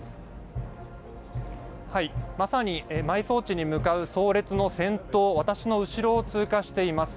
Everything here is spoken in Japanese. まさに埋葬地に向かう葬列の先頭が私の後ろを通過しています。